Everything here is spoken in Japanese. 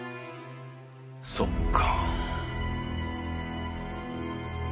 そっか。